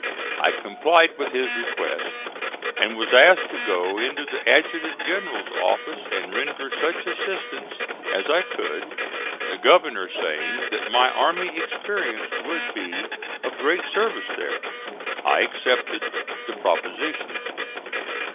I complied with his request, and was asked to go into the Adjutant General's office and render such assistance as I could, the governor saying that my army experience would be of great service there. I accepted the proposition.